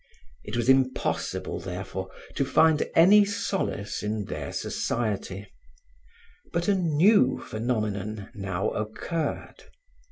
It was impossible, therefore, to find any solace in their society; but a new phenomenon now occurred.